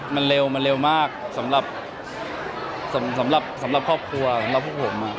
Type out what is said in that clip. มันเร็วมันเร็วมากสำหรับสำหรับครอบครัวสำหรับพวกผม